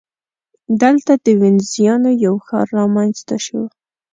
دلته د وینزیانو یو ښار رامنځته شو.